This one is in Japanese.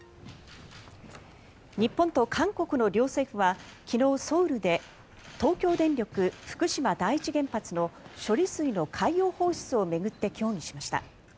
日本と韓国の両政府は昨日ソウルで東京電力福島第一原発の処理水の海洋放出を巡って協議しました。